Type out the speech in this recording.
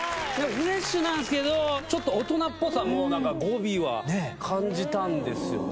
フレッシュなんですけど、ちょっと大人っぽさも、なんか語尾は感じたんですよね。